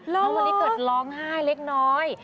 น้องมะลิเกิดร้องไห้เล็กน้อย